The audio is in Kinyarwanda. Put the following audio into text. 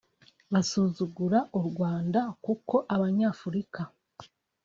basuzugura u Rwanda kuko Abanyafurika